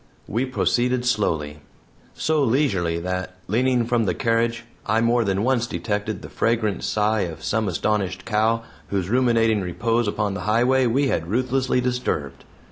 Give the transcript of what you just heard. We proceeded slowly; so leisurely that, leaning from the carriage, I more than once detected the fragrant sigh of some astonished cow, whose ruminating repose upon the highway we had ruthlessly disturbed.